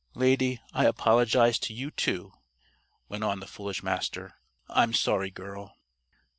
"Lady, I apologize to you too," went on the foolish Master. "I'm sorry, girl."